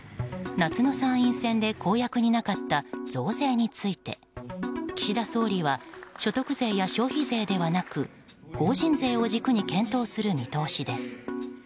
夏の参院選で公約になかった増税について岸田総理は所得税や消費税ではなく法人税を軸に検討する見通しです。